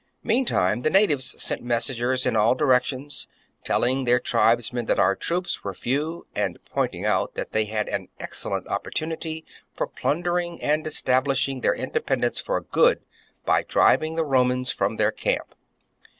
Meantime the natives sent messengers in all ' directions, telling their tribesmen that our troops were few, and pointing out that they had an excellent opportunity for plundering and establishing their independence for good by driving the Romans from their camp.